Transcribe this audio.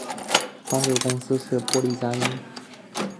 发售公司是波丽佳音。